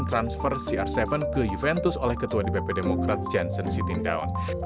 dan transfer cr tujuh ke juventus oleh ketua dpp demokrat janssen sitindaun